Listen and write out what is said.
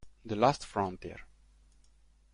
The Last Frontier